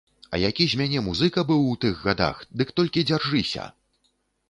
А які з мяне музыка быў у тых гадах, дык толькі дзяржыся!